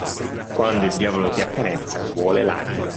Quando il diavolo ti accarezza, vuole l'anima.